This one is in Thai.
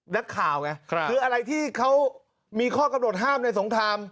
นักข่าวไงคืออะไรที่เขามีข้อกำหนดห้ามในสงคราม